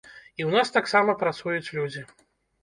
І ў нас таксама працуюць людзі.